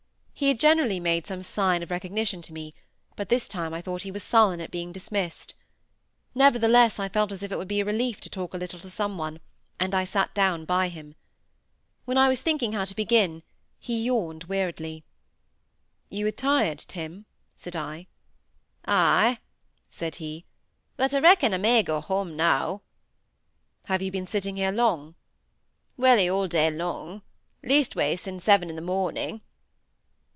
He had generally made some sign of recognition to me, but this time I thought he was sullen at being dismissed. Nevertheless I felt as if it would be a relief to talk a little to some one, and I sate down by him. While I was thinking how to begin, he yawned weariedly. "You are tired, Tim?" said I. "Ay," said he. "But I reckon I may go home now." "Have you been sitting here long?" "Welly all day long. Leastways sin' seven i' th' morning."